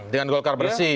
dengan golkar bersih